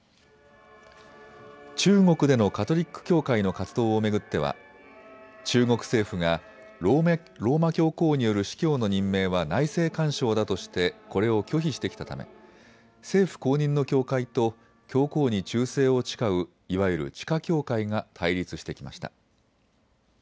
中国でのカトリック教会の活動を巡っては中国政府がローマ教皇による司教の任命は内政干渉だとしてこれを拒否してきたため政府公認の教会と教皇に忠誠を誓う、いわゆる地下教会が対立してきました。